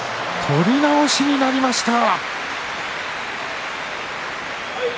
取り直しになりました。